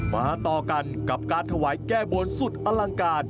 ต่อกันกับการถวายแก้บนสุดอลังการ